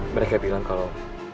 mereka bilang kalau